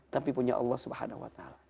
tapi punya allah swt